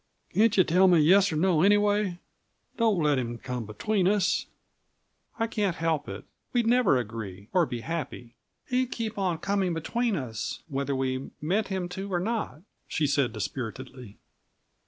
"Can't you tell me yes or no, anyway? Don't let him come between us." "I can't help it. We'd never agree, or be happy. He'd keep on coming between us, whether we meant him to or not," she said dispiritedly.